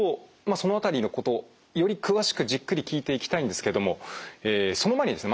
その辺りのことより詳しくじっくり聞いていきたいんですけどもその前にですね